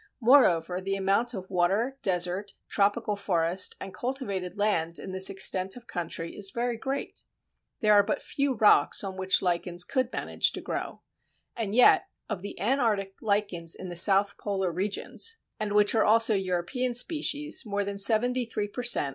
Moreover, the amount of water, desert, tropical forest, and cultivated land in this extent of country is very great. There are but few rocks on which lichens could manage to grow. And yet of the Antarctic Lichens in the South Polar regions, and which are also European species, more than 73 per cent.